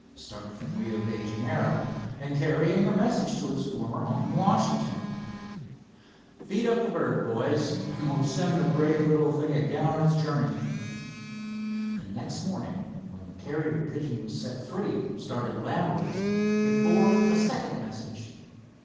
"Started from Rio de Janeiro and carrying a message to its former home in Washington. Feed up the bird, boys, and we'll send the brave little thing again on its journey." The next morning when the carrier pigeon was set free, started landwards, it bore a second message.